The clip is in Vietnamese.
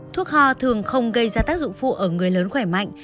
thuốc ho thường không gây ra tác dụng phụ ở người lớn khỏe mạnh